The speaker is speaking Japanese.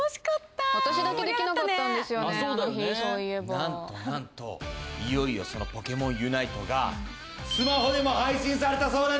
なんとなんといよいよそのポケモンＵＮＩＴＥがスマホでも配信されたそうなんですよ！